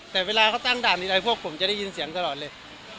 แต่เวลาเขาตั้งด่านมีอะไรพวกผมจะได้ยินเสียงตลอดเลย